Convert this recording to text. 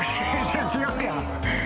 違うやん！